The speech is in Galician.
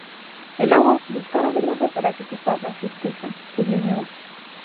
"E logo buscar a verdade para que se faga xustiza", subliñou.